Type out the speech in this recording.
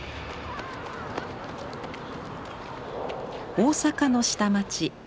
大阪の下町十三。